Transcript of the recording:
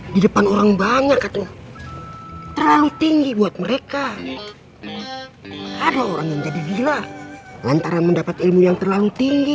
dan aku benci kamu